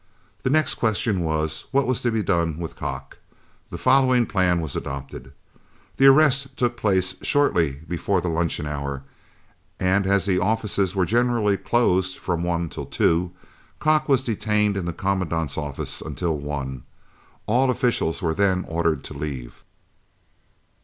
The next question was, what was to be done with Kock. The following plan was adopted: The arrest took place shortly before the luncheon hour, and as the offices were generally closed from one till two, Kock was detained in the Commandant's office until one. All officials were then ordered to leave.